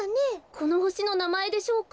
このほしのなまえでしょうか？